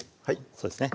そうですね